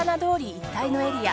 一帯のエリア